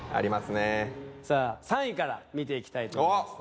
さあ３位から見ていきたいと思います